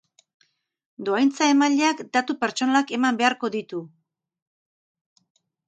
Dohaintza-emaileak datu pertsonalak eman beharko ditu.